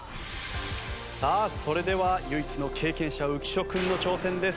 さあそれでは唯一の経験者浮所君の挑戦です。